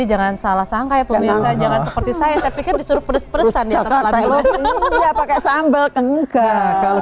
ini jangan salah sangka ya tuhan ya saya jangan seperti saya tapi disuruh pedes pedesan ya kalau